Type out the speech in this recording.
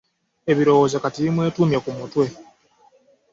Ebirowoozo kati bimwetuumye ku mutwe.